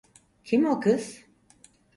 Kim o kız?